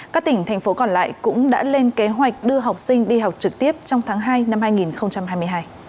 các tỉnh thành phố còn lại cũng đã lên kế hoạch đưa học sinh đi học trực tiếp trong tháng hai năm hai nghìn hai mươi hai